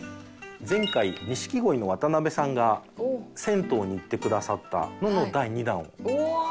前回錦鯉の渡辺さんが銭湯に行ってくださったのの第２弾をやろうと。